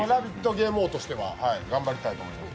ゲーム王としては頑張りたいと思います。